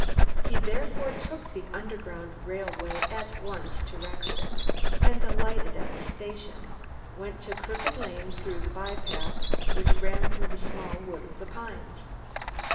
He therefore took the underground railway at once to Rexton, and, alighting at the station, went to Crooked Lane through the by path, which ran through the small wood of pines.